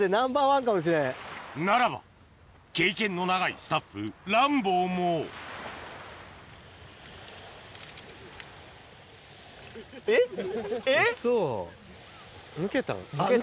ならば経験の長いスタッフランボーもウソ。